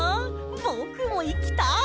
ぼくもいきたい！